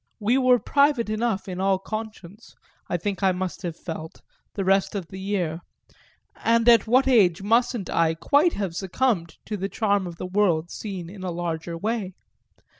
We were private enough in all conscience, I think I must have felt, the rest of the year; and at what age mustn't I quite have succumbed to the charm of the world seen in a larger way?